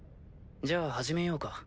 じゃあ始めようか。